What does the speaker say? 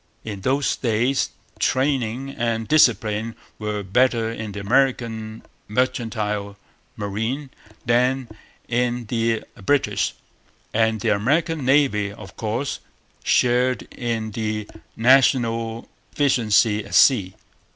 In those days training and discipline were better in the American mercantile marine than in the British; and the American Navy, of course, shared in the national efficiency at sea.